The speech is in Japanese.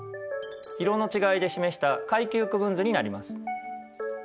色の違いで示した階級区分図になります。